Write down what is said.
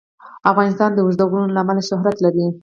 افغانستان د اوږده غرونه له امله شهرت لري.